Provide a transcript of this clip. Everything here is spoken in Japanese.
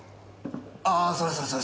あそれそれそれ。